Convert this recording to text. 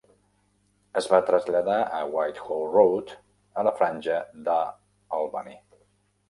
Es va traslladar a Whitehall Road a la franja de Albany.